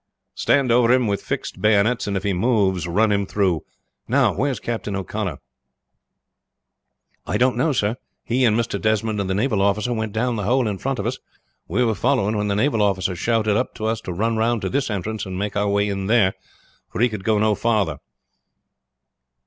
"Stand over him with fixed bayonets, and if he moves run him through. Now, where's Captain O'Connor?" "I don't know, sir. He and Mr. Desmond and the naval officer went down the hole in front of us. We were following when the naval officer shouted up to us to run round to this entrance and make our way in there, for he could go no further."